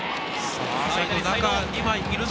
最後、中２枚いるぞ。